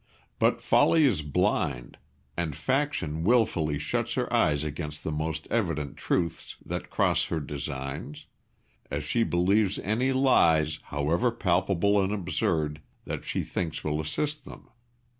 But folly is blind, and faction wilfully shuts her eyes against the most evident truths that cross her designs, as she believes any lies, however palpable and absurd, that she thinks will assist them.